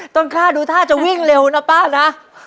ต้นกล้าดูท่าจะวิ่งเร็วน้องป้านะ